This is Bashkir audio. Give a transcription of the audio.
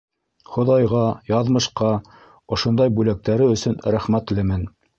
Хоҙайға, яҙмышҡа ошондай бүләктәре өсөн рәхмәтлемен.